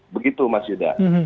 begitu mas yuda